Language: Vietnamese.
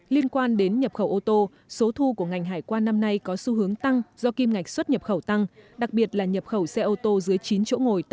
liên quan đến nhập khẩu ô tô số thu của ngành hải quan năm nay có xu hướng tăng do kim ngạch xuất nhập khẩu tăng đặc biệt là nhập khẩu xe ô tô dưới chín chỗ ngồi tăng cao chủ yếu từ thái lan và indonesia